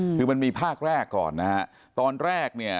มคศคือมันมีภาคแรกก่อนนะฮะ